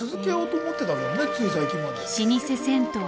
老舗銭湯